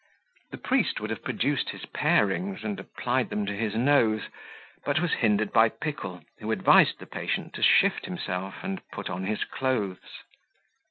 The priest would have produced his parings and applied them to his nose, but was hindered by Pickle, who advised the patient to shift himself, and put on his clothes.